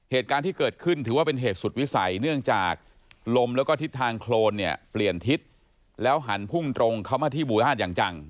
เหตุการณ์ที่เกิดขึ้นถือว่าเป็นเหตุสุดวิสัยเนื่องจากลมแล้วก็ทิศทางโครนเนี่ยเปลี่ยนทิศแล้วหันพุ่งตรงเข้ามาที่บูฮาสอย่างจัง